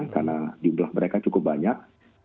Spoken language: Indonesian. karena jumlah mereka cukup banyak